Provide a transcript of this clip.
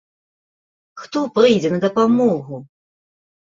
Хто прыйдзе на дапамогу?